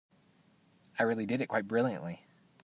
I really did it quite brilliantly.